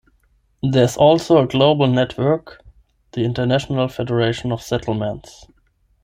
There is also a global network, the International Federation of Settlements.